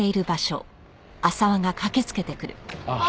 ああ。